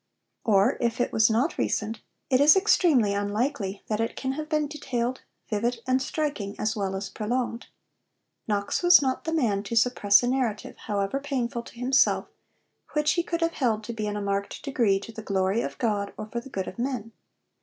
Or, if it was not recent, it is extremely unlikely that it can have been detailed, vivid, and striking, as well as prolonged. Knox was not the man to suppress a narrative, however painful to himself, which he could have held to be in a marked degree to the glory of God or for the good of men.